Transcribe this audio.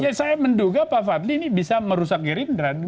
ya saya menduga pak fadli ini bisa merusak gerindra